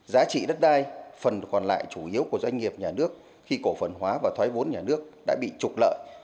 giá trị đất đai phần còn lại chủ yếu của doanh nghiệp nhà nước khi cổ phần hóa và thoái vốn nhà nước đã bị trục lợi